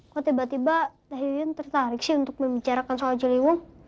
kok tiba tiba tahiyun tertarik sih untuk membicarakan soal ciliwung